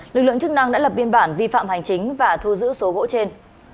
lực lượng chức năng đã lập biên bản vi phạm hành chính và thu giữ số gỗ trên